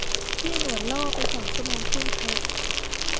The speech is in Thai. พี่หนวดล่อไปสองชั่วโมงครึ่งฮะ